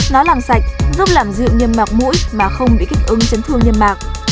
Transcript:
nó làm sạch giúp làm dịu nhâm mặt mũi mà không bị kích ứng chấn thương nhâm mặt